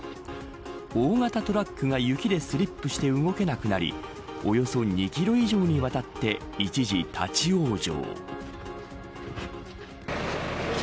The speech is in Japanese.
大型トラックが雪でスリップして動けなくなりおよそ２キロ以上にわたって一時、立ち往生。